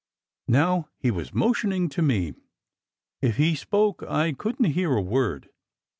Now he was motioning to me. If he spoke, I couldn t hear a word.